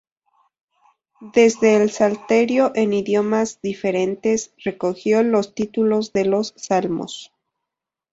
Desde el Salterio en idiomas diferentes, recogió los títulos de los Salmos.